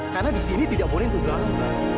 karena di sini tidak boleh untuk berangkat